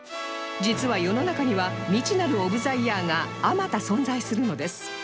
実は世の中には未知なるオブ・ザ・イヤーがあまた存在するのです